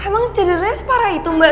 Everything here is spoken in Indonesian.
emang cederanya separah itu mbak